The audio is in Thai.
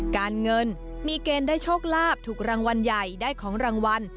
การเงินมีเกณฑ์ได้โชคลาภถูกรางวัลใหญ่ได้ของรางวัล